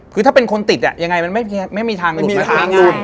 คือถ้าเป็นคนติดอะยังไงมันไม่มีทางหลุดไหม